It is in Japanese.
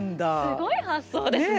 すごい発想ですね。